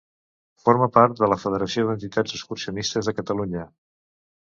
Forma part de la Federació d'Entitats Excursionistes de Catalunya.